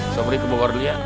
sobri ke bawah gulia